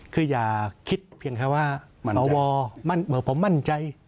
คืออย่าคิดเพียงแค่ว่าสวเผื่อผมมั่นใจ